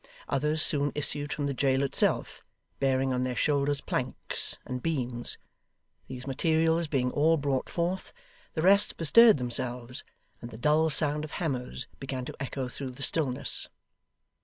Others soon issued from the jail itself, bearing on their shoulders planks and beams: these materials being all brought forth, the rest bestirred themselves, and the dull sound of hammers began to echo through the stillness.